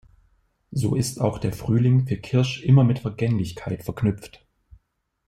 So ist auch der Frühling für Kirsch immer mit Vergänglichkeit verknüpft.